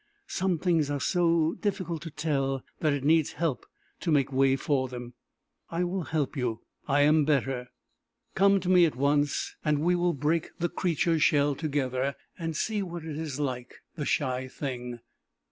Some things are so difficult to tell, that it needs help to make way for them: I will help you. I am better. Come to me at once, and we will break the creature's shell together, and see what it is like, the shy thing!